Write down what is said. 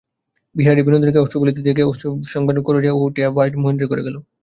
বিহারী বিনোদিনীকে অশ্রু ফেলিতে দেখিয়া নিজের অশ্রুবেগ সংবরণ করিয়া উঠিয়া বাহিরে মহেন্দ্রের ঘরে গেল।